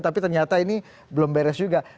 tapi ternyata ini belum beres juga